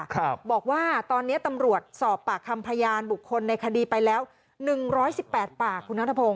ครับบอกว่าตอนนี้ตำรวจสอบปากคำพยานบุคคลในคดีไปแล้ว๑๑๘ปากคุณทศพง